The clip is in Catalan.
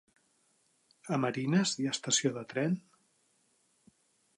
A Marines hi ha estació de tren?